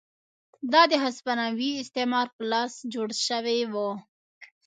دا د هسپانوي استعمار په لاس جوړ شوي وو.